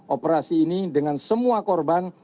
operasi ini dengan semua korban